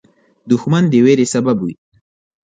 دښمن د ویرې سبب وي